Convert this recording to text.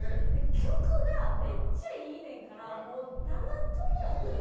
曲がめっちゃいいねんからもう黙っとけよって思う。